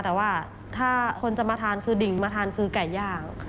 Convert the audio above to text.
แต่ว่าถ้าคนจะมาทานคือดิ่งมาทานคือไก่ย่าง